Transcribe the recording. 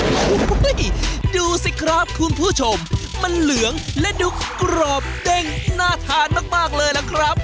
โอ้โหดูสิครับคุณผู้ชมมันเหลืองและดูกรอบเด้งน่าทานมากเลยล่ะครับ